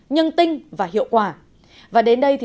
nhân tinh và hiệu quả và đến đây thì